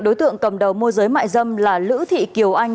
đối tượng cầm đầu môi giới mại dâm là lữ thị kiều anh